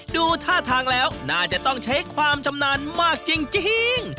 ดูท่าทางแล้วน่าจะต้องใช้ความชำนาญมากจริง